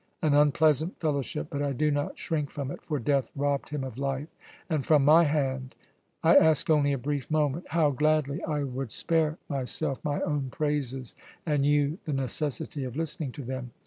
An unpleasant fellowship but I do not shrink from it; for death robbed him of life, and from my hand I ask only a brief moment. How gladly I would spare myself my own praises, and you the necessity of listening to them!